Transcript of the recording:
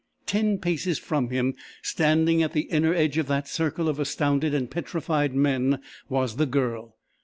Ten paces from him, standing at the inner edge of that circle of astounded and petrified men, was the Girl!